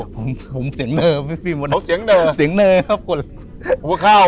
ผมผมเสียงเนอร์พี่มดเอาเสียงเนอเสียงเนอครับคนหัวข้าว